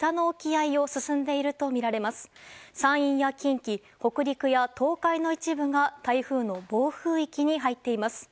山陰や近畿、北陸や東海の一部が台風の暴風域に入っています。